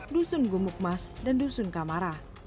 dusun gumukmas dan dusun kamara